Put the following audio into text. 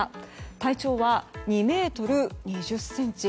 体長は２ｍ２０ｃｍ。